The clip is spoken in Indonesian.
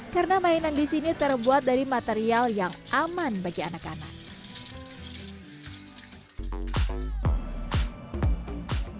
karena mainan di sini terbuat dari material yang aman bagi anak anak